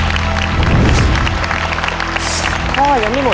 ตัวเลือกที่สี่ชัชวอนโมกศรีครับ